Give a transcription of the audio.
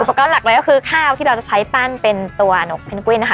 การหลักเลยก็คือข้าวที่เราจะใช้ปั้นเป็นตัวหนกเพนกวินนะคะ